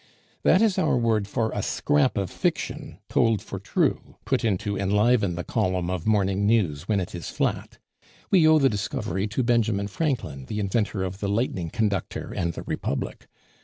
"That is our word for a scrap of fiction told for true, put in to enliven the column of morning news when it is flat. We owe the discovery to Benjamin Franklin, the inventor of the lightning conductor and the republic.